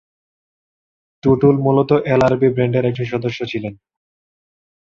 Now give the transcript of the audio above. টুটুল মূলত L R B band এর একজন সদস্য ছিলেন।